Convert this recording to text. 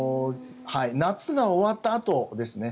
夏が終わったあとですね。